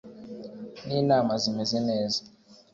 n’inama zimeze neza